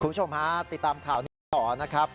คุณผู้ชมฮะติดตามข่าวนี้กันต่อนะครับ